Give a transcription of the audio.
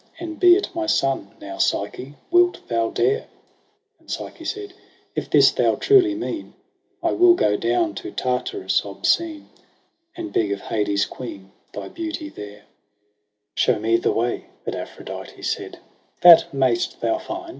An be it my son. Now, Psyche, wilt thou dare ?' And Psyche said ' F this thou truly mean, I will go down to Tartarus obscene. And beg of Hades' queen thy beauty there. 1^8 EROS 6 PSYCHE ' Show me the way,' But Aphrodite said, 'That mayst thou find.